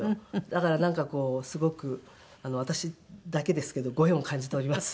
だからなんかこうすごく私だけですけどご縁を感じております。